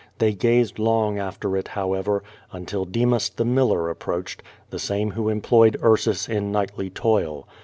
They gazed long after it, however, until Demas the miller approached, the same who employed Ursiis in nightly toil.